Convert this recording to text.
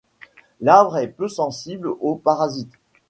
L'arbre est peu sensible aux parasites.